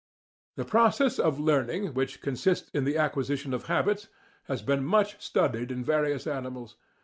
The process of learning, which consists in the acquisition of habits, has been much studied in various animals.